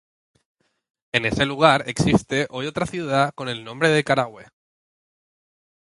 En ese lugar existe hoy otra ciudad con el nombre de Carahue.